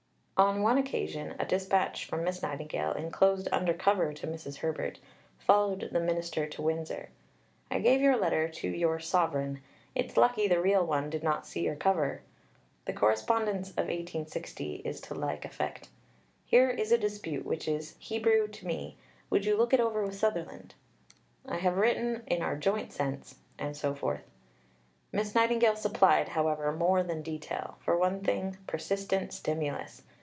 On one occasion a dispatch from Miss Nightingale, enclosed under cover to Mrs. Herbert, followed the Minister to Windsor: "I gave your letter to your 'Sovereign'; it's lucky the real one did not see your cover." The correspondence of 1860 is to like effect. "Here is a dispute which is Hebrew to me; would you look it over with Sutherland?" "I have written in our joint sense," and so forth. Miss Nightingale supplied, however, more than detail for one thing, persistent stimulus.